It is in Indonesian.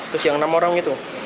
terus yang enam orang itu